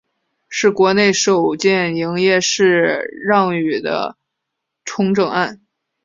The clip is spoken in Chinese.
是国内首件营业式让与的重整案。